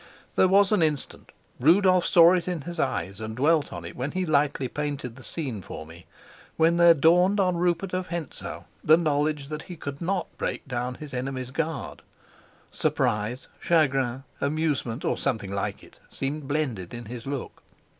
There was an instant Rudolf saw it in his eyes and dwelt on it when he lightly painted the scene for me when there dawned on Rupert of Hentzau the knowledge that he could not break down his enemy's guard. Surprise, chagrin, amusement, or something like it, seemed blended in his look.